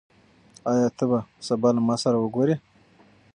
آيا ته به سبا له ما سره وګورې؟